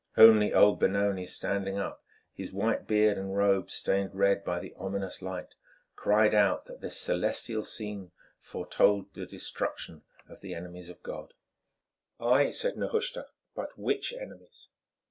Only old Benoni standing up, his white beard and robes stained red by the ominous light, cried out that this celestial scene foretold the destruction of the enemies of God. "Ay!" said Nehushta, "but which enemies?"